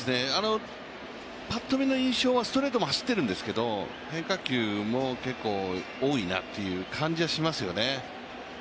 ぱっと見の印象はストレートが走っているんですけど、結構多いなという感じはしますよね。